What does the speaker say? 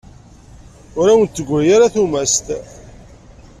Ur awen-d-teggri ara tumast.